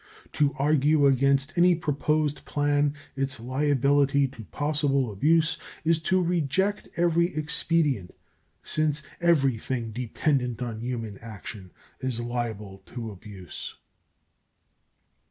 To argue against any proposed plan its liability to possible abuse is to reject every expedient, since everything dependent on human action is liable to abuse.